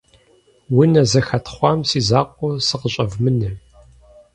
Унэ зэхэтхъуам си закъуэу сыкъыщӀэвмынэ!